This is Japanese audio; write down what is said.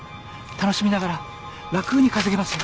楽しみながら楽に稼げますよ。